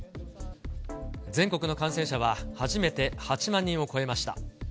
全国の感染者は初めて８万人を超えました。